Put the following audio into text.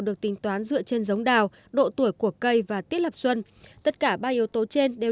được tính toán dựa trên giống đào độ tuổi của cây và tiết lập xuân tất cả ba yếu tố trên đều